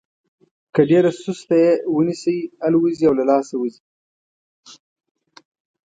که ډېره سسته یې ونیسئ الوزي او له لاسه وځي.